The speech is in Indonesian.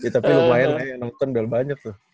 tapi lumayan ya nonton udah banyak tuh